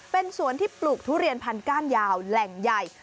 เป็นสวนที่ปลูกทุเรียนพันก้านยาวแหล่งใหญ่